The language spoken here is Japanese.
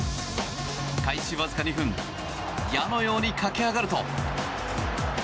開始わずか２分矢のように駆け上がると。